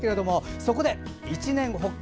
そこで一念発起。